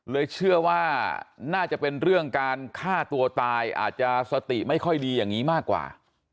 เชื่อว่าน่าจะเป็นเรื่องการฆ่าตัวตายอาจจะสติไม่ค่อยดีอย่างนี้มากกว่า